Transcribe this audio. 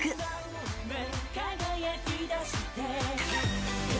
「輝きだしてく」